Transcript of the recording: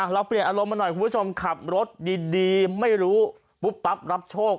เราเปลี่ยนอารมณ์มาหน่อยคุณผู้ชมขับรถดีไม่รู้ปุ๊บปั๊บรับโชค